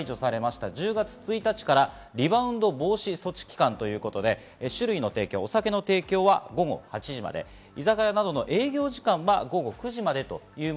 緊急事態宣言が解除された１０月１日からリバウンド防止措置期間ということで酒類の提供は午後８時まで居酒屋などの営業時間は午後９時までです。